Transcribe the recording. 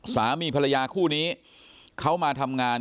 สามีภรรยาคู่นี้เขามาทำงาน